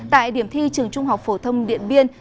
tại điểm thi trường trung học phổ thông điện biên